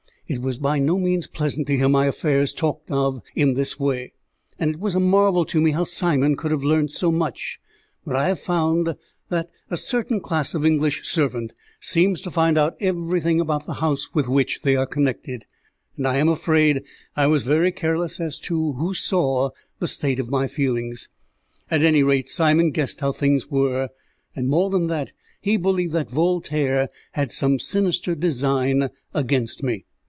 It was by no means pleasant to hear my affairs talked of in this way, and it was a marvel to me how Simon could have learnt so much, but I have found that a certain class of English servant seems to find out everything about the house with which they are connected, and I am afraid I was very careless as to who saw the state of my feelings. At any rate, Simon guessed how things were, and, more than that, he believed that Voltaire had some sinister design against me.